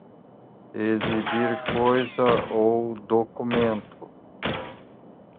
exibir coisa ou documento